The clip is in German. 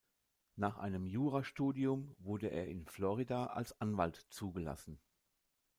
Nach einem Jurastudium wurde er in Florida als Anwalt zugelassen.